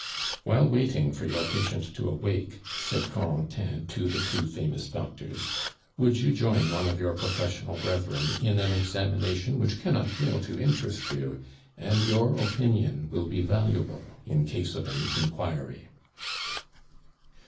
"While waiting for your patient to awake," said Corentin to the two famous doctors, "would you join one of your professional brethren in an examination which cannot fail to interest you, and your opinion will be valuable in case of an inquiry."